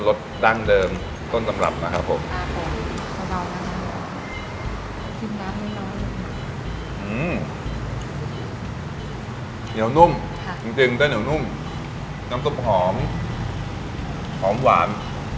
พี่แดมไม่ต้องปรุงอะไรเพิ่มเกินไปเนอะใช่ค่ะปกติต้องปรุงก่อนไหม